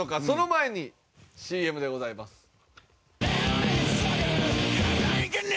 その前にＣＭでございます。